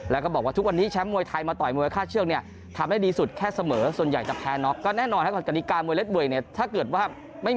แล้วก็บอกว่าทุกวันนี้แชมป์มวยไทยมาต่อจะค่าเชื้อม